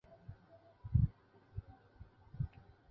第二十二德尤塔卢斯军团古罗马军队建制名称。